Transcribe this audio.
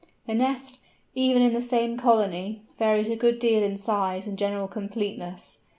The nest, even in the same colony, varies a good deal in size and general completeness.